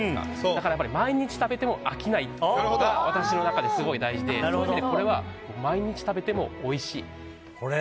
だから毎日食べても飽きないのが私の中ですごい大事でそういう意味でこれは毎日食べてもおいしい。